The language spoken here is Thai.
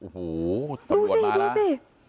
ดูสิดูสิ